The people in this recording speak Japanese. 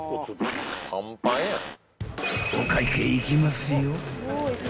［お会計いきますよ］